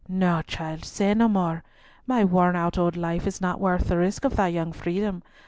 "No, child, say no more. My worn out old life is not worth the risk of thy young freedom.